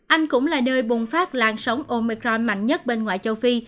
anh cũng là nơi bùng phát làn sóng omicron mạnh nhất bên ngoại châu phi